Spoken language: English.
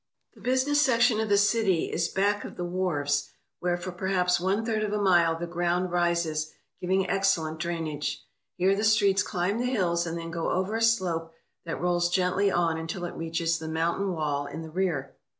The business section of the city is back of the wharves, where for perhaps one third of a mile the ground rises, giving excellent drainage. Here the streets climb the hills and then go over a slope that rolls gently on until it reaches the mountain wall in the rear.